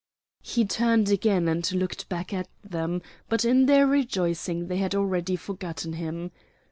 He turned again and looked back at them, but in their rejoicing they had already forgotten him.